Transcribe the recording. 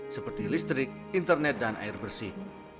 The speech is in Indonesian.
seperti listrik internet dan air bersih